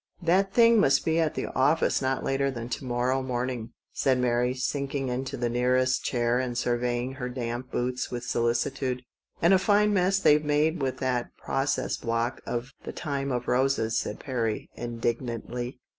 " That thing must be all at the office not later than to morrow morning," said Mary, sinking into the nearest chair and surveying her damp boots with solicitude. " And a fine mess they've made with that process block of ' The Time of Roses,' " said Perry indignantly.